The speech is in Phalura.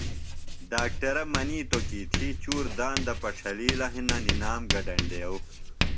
ڈاکٹرہ منِیتوۡ کیۡ تھی چُور داندہ پڇھَلِیلہ ہِنہ نِنام گڈینڈیوۡ۔